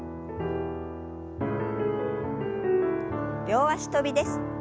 両脚跳びです。